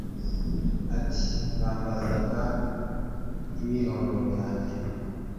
Ati ”Bambazaga imyirondoro yanjye